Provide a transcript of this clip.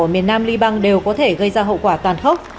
ở miền nam libang đều có thể gây ra hậu quả toàn khốc